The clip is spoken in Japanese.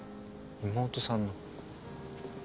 妹さんの。